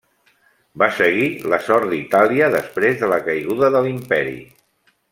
Va seguir la sort d'Itàlia després de la caiguda de l'Imperi.